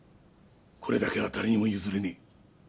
これだけは誰にも譲れねえ。